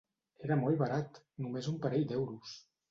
Era molt barat! Només un parell d'euros!